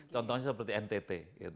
contohnya seperti ntt